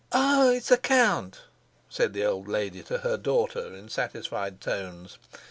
"Ah, it's the count!" said the old lady to her daughter in satisfied tones.